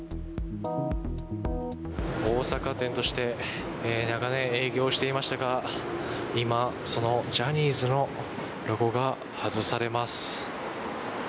大阪店として長年営業していましたが今、そのジャニーズのロゴが外されます。